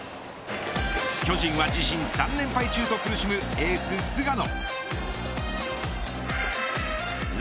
巨人は自身３連敗中と苦しむエース菅野。